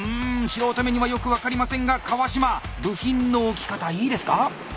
素人目にはよく分かりませんが川島部品の置き方いいですか？